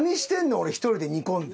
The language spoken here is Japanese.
俺１人で煮込んで。